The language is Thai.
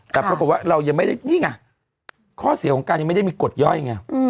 แต่ปรากฏว่าเรายังไม่ได้นี่ไงข้อเสียของการยังไม่ได้มีกฎย่อยไง